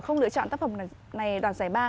không lựa chọn tác phẩm này đoạt giải ba